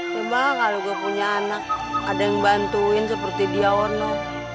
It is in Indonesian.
cuma kalau gue punya anak ada yang bantuin seperti dia ono